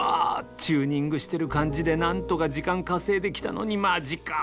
チューニングしてる感じでなんとか時間稼いできたのにまじか！